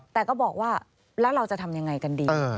แต่ก็บอกว่าแล้วเราจะทำยังไงกันดี